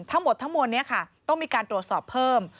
ทั้งหมดนี้ต้องมีการตรวจสอบเพิ่ม